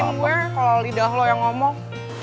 gue yakin gue kalau lidah lo yang ngomong